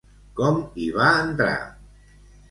Com hi va entrar?